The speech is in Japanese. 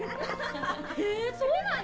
へぇそうなの？